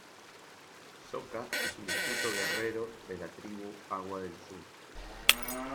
Sokka es un astuto guerrero de la Tribu Agua del Sur.